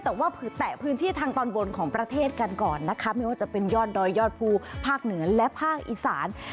แต่ว่าแตะพื้นที่ทางตอนบนของประเทศกันก่อนนะคะไม่ว่าจะเป็นยอดดอยยอดภูภาคเหนือและภาคอีสาน